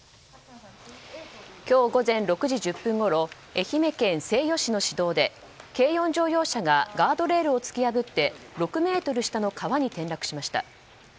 今日午前６時１０分ごろ愛媛県西予市の市道で軽四乗用車がガードレールを突き破って６ｍ下の川に転落しました。